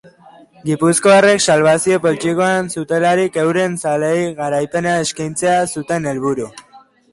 Gipuzkoarrek salbazio poltsikoan zutelarik euren zaleei garaipena eskaintzea zuten helburu.